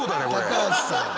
高橋さん。